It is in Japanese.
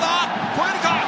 越えるか？